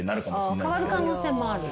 変わる可能性もある。